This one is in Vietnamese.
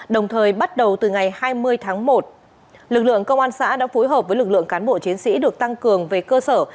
đồng thời bắt đầu từ ngày hai mươi tháng một lực lượng công an xã đã phối hợp với lực lượng cán bộ chiến sĩ được tăng cường về cơ sở